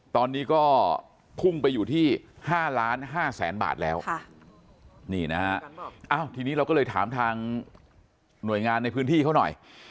ตอนนี้ก็พุ่งไปอยู่ที่๕๕๐๐๐๐บาทแล้วนี่นะฮะทีนี้เราก็เลยถามทางหน่วยงานในพื้นที่เขาหน่อย